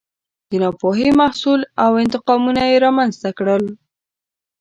د ناپوهۍ محصول و او انتقامونه یې رامنځته کړل.